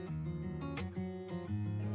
ini adalah pewarnaan alam